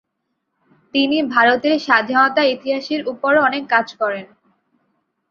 তিনি ভারতের স্বাধীনতার ইতিহাসের উপরও অনেক কাজ করেন।